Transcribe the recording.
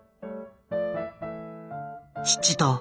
父と